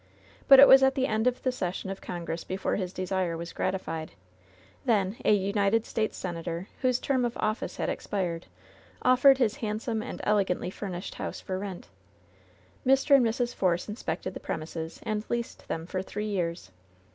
But it was at the end of the session of Congress be fore his desire was gratified. Then a United States senator, whose term of office had expired, offered his handsome and elegantly furnished house for rent. Mr. and Mrs. Force inspected the premiseS| and leased them for three years.